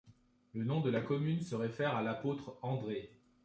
Le nom de la commune se réfère à l'apôtre André.